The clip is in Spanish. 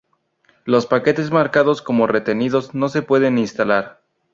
Los paquetes marcados como retenidos no se pueden instalar